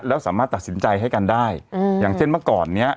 แล้วสามารถตัดสินใจให้กันได้อืมอย่างเช่นเมื่อก่อนเนี้ย